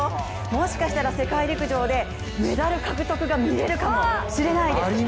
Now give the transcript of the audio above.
もしかしたら世界陸上でメダル獲得が見られるかもしれないです。